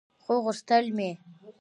خو غوښتل مې